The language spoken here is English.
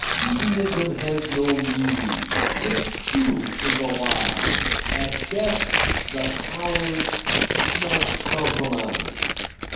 Hedonism has no meaning. It, too, is a lie, at best the coward's smug compromise."